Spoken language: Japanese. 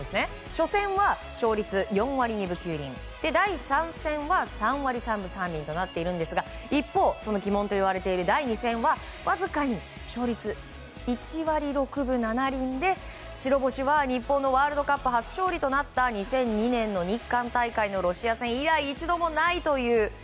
初戦は勝率４割２分９厘３戦は３割３分３厘となっているんですが鬼門となっている第２戦はわずかに勝率１割６分７厘で白星は日本のワールドカップ初勝利となった２００２年の日韓大会のロシア戦以来一度もないという。